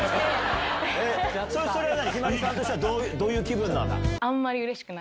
それは向日葵さんとしてはどういう気分なの？